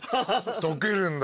溶けるんだ